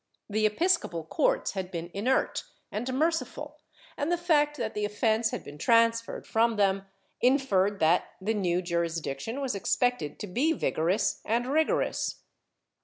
The episcopal courts had been inert and merciful, and the fact that the offence had been transferred from them inferred that the new jurisdiction was expected to be vigor ous and rigorous.